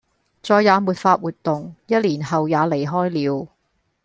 再也沒法活動；一年後也離開了